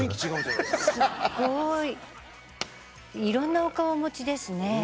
いろんなお顔をお持ちですね。